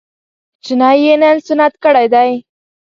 کوچنی يې نن سنت کړی دی